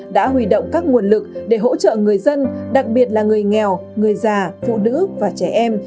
đã huy động các nguồn lực để hỗ trợ người dân đặc biệt là người nghèo người già phụ nữ và trẻ em